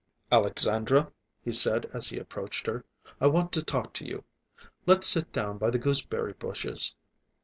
"Alexandra," he said as he approached her, "I want to talk to you. Let's sit down by the gooseberry bushes."